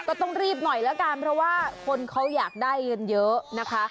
ก็ต้องรีบหน่อยละกันเพราะว่าคนเขาอยากได้เงินเยอะนะคะ